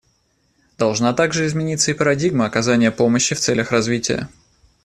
Должна также измениться и парадигма оказания помощи в целях развития.